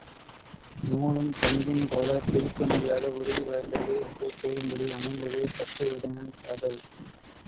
நூலும் பஞ்சும் போலப் பிரிக்க முடியாத உறுதி வாய்ந்தது என்று கூறும்படி அமைந்தது தத்தை உதயணன் காதல்.